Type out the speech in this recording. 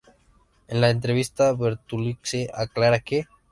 En la entrevista, Bertolucci aclara que.